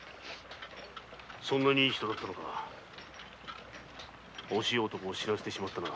いい人だったのか惜しい人を死なせてしまったな。